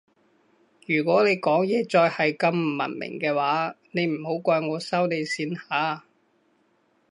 如果你講嘢再係咁唔文明嘅話你唔好怪我收你線吓